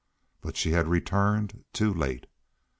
But she had returned too late.